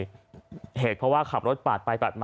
จังหวะเดี๋ยวจะให้ดูนะ